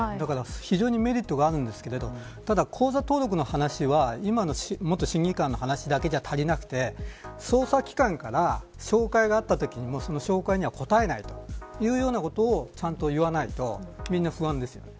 非常にメリットがあるんですがただ、口座登録の話は今の話だけでは足りなくて捜査機関から照会があったときにその照会には応えないというようなことをちゃんと言わないとみんな不安ですよね。